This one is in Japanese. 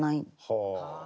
はあ。